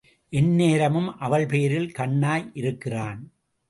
எந்நேரமும் அவள் பேரில் கண்ணாய் இருக்கிறான்.